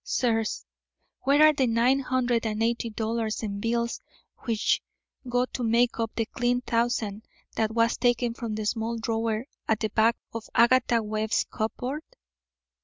Sirs, where are the nine hundred and eighty dollars in bills which go to make up the clean thousand that was taken from the small drawer at the back of Agatha Webb's cupboard?"